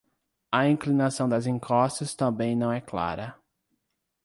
A inclinação das encostas também não é clara.